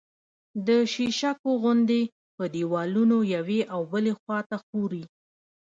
د شیشکو غوندې په دېوالونو یوې او بلې خوا ته ښوري